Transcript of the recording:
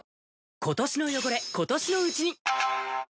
今年の汚れ、今年のうちに。